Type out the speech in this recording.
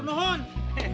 lu yang sokanya